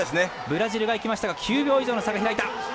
ブラジルがいきましたが９秒以上の差が開いた。